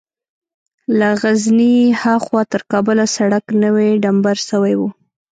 له غزني ها خوا تر کابله سړک نوى ډمبر سوى و.